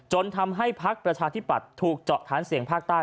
จนทำให้พักประชาธิบัติทูจะทั้นเสี่ยงภาคใต้